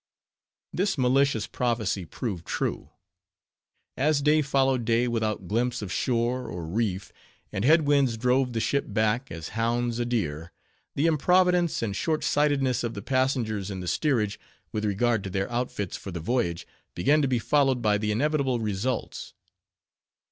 This malicious prophecy proved true. As day followed day without glimpse of shore or reef, and head winds drove the ship back, as hounds a deer; the improvidence and shortsightedness of the passengers in the steerage, with regard to their outfits for the voyage, began to be followed by the inevitable results.